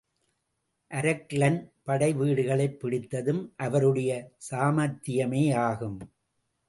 அரக்லன் படை வீடுகளைப் பிடித்ததும் அவருடைய சாமர்த்தியமேயாகும்.